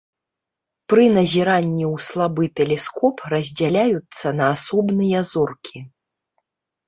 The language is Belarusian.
Пры назіранні ў слабы тэлескоп раздзяляюцца на асобныя зоркі.